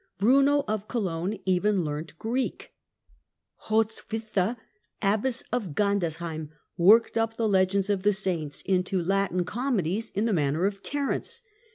Bruno of Cologne even learnt Greek. Hrotswitha, abbess of Gandersheim, worked up the legends of the saints into Latin comedies in the manner of Terence.